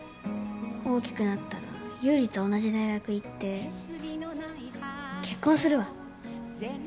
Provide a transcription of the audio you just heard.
大きくなったら優里と同じ大学行って結婚するわ。